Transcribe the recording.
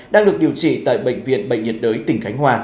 đang được điều trị tại bệnh viện bệnh nhiệt đới tp hcm